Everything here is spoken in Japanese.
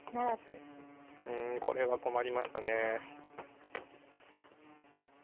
うんこれは困りましたね。